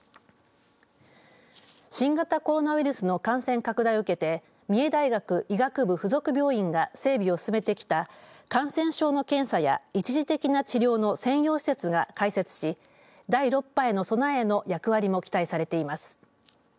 新型コロナウイルスの感染拡大を受けて三重大学医学部付属病院整備を進めてきた感染症の検査や一時的な治療の専用施設が開設し第６波への備えの役割も期待されています。